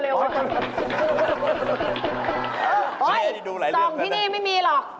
ส่องที่นี่ไม่มีหรอก